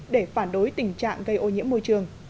để phản đối tình trạng gây ô nhiễm môi trường